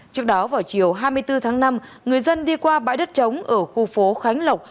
trước đó vào chiều hai mươi bốn tháng năm người dân đi qua bãi đất trống ở khu phố khánh lộc